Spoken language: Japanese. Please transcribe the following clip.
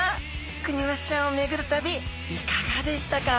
クニマスちゃんを巡る旅いかがでしたか？